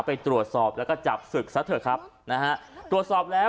ไปตรวจสอบแล้วก็จับศึกซะเถอะครับนะฮะตรวจสอบแล้ว